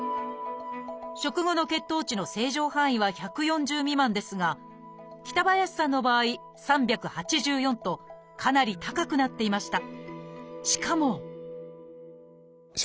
食後の血糖値の正常範囲は１４０未満ですが北林さんの場合３８４とかなり高くなっていました。